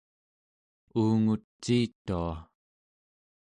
uunguciitua